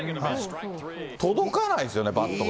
届かないですよね、バットが。